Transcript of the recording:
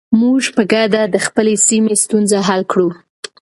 موږ به په ګډه د خپلې سیمې ستونزې حل کړو.